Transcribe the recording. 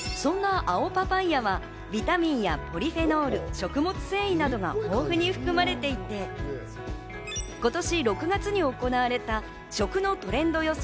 そんな青パパイアはビタミンやポリフェノール、食物繊維などが豊富に含まれていて、今年６月に行われた食のトレンド予想